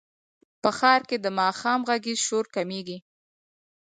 په ښار کې د ماښام غږیز شور کمېږي.